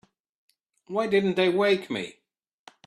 Why didn't they wake me?